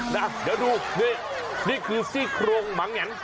นะเดี๋ยวดูนี่นี่คือซี่โครงหมาแงน